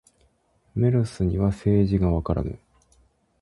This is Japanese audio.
メロスには政治がわからぬ